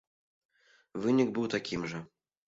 Вынік быў такім жа.